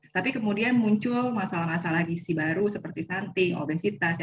tapi kemudian muncul masalah masalah gisi baru seperti stunting obesitas